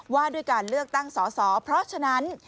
ว่าด้วยการเลือกตั้งสอสอเพราะฉะนั้น